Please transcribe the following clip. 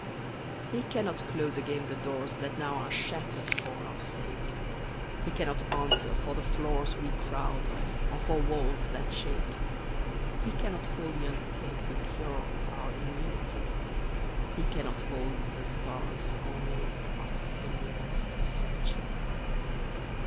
[1271 He cannot close again the doors Tliat now are shattered for our sake; He cannot answer for the floors We crowd on, or for walls that shake; He cannot wholly undertake The cure of our immunity; He cannot hold the stars, or make Of seven years m century.